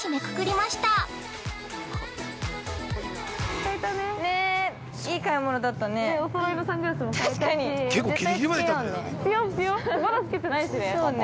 まだつけてないしね。